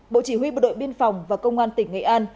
bộ chỉ huy bộ đội biên phòng và công an tỉnh nghệ an